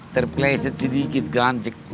terpleset sedikit gancik